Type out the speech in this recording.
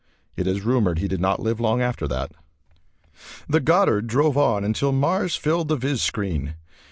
It is rumored he did not live long after that. The Goddard drove on until Mars filled the viz screen.